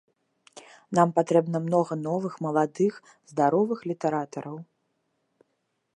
Нам патрэбна многа новых маладых, здаровых літаратараў.